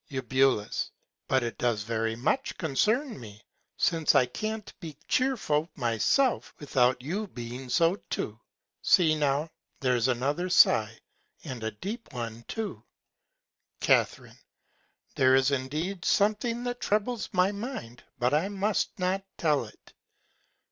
Eu. But it does very much concern me, since I can't be chearful myself, without you be so too. See now, there's another Sigh, and a deep one too! Ca. There is indeed something that troubles my Mind. But I must not tell it.